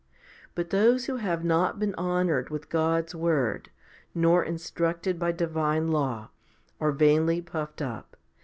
But those who have not been honoured with God's word, nor instructed by divine law, are vainly puffed up?